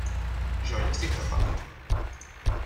Jo hi estic d'acord.